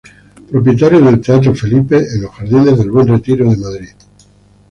Propietario del teatro Felipe en los Jardines del Buen Retiro de Madrid.